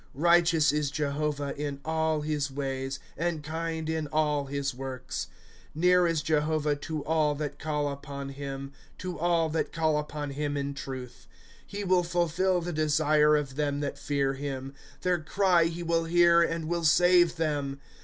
" Righteous is Jehovah in all his ways, And kind in all his works. '^ Near is Jehovah to. all that call upon him. To all that call upon him in truth. ^^ He will fulfill the desire of tliem that fear him ; Their cry he will hear, and will save them.